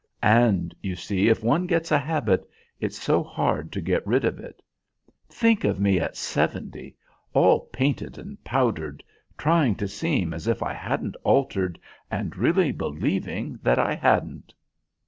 And, you see, if one gets a habit, it's so hard to get rid of it. Think of me at seventy, all painted and powdered, trying to seem as if I hadn't altered and really believing that I hadn't."